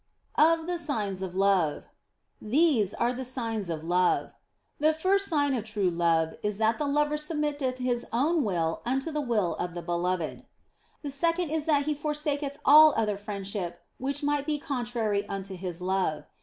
Of the Signs of Love. These are the signs of love. The first sign of true love is that the lover submitteth his own will unto the will of the beloved. The second is that he forsaketh all other friendship which might be contrary unto his love.